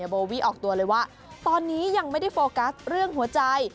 โบวี่ออกตัวเลยว่าตอนนี้ยังไม่ได้โฟกัสเรื่องหัวใจ